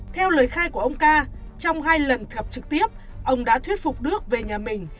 theo lời khai của ông ca trong hai lần gặp trực tiếp ông đã thuyết phục đức về nhà mình